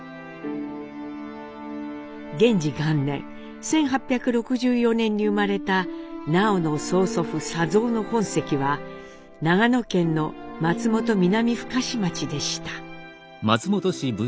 元治元年１８６４年に生まれた南朋の曽祖父佐三の本籍は長野県の松本南深志町でした。